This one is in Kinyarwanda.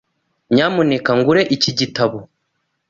Nyamuneka ngura iki gitabo.